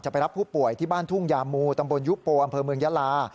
ไปรับผู้ป่วยที่บ้านทุ่งยามูตำบลยุโปอำเภอเมืองยาลา